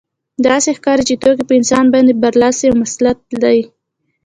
داسې ښکاري چې توکي په انسان باندې برلاسي او مسلط دي